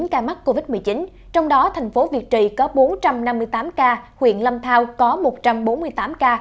tám trăm ba mươi chín ca mắc covid một mươi chín trong đó thành phố việt trị có bốn trăm năm mươi tám ca huyện lâm thao có một trăm bốn mươi tám ca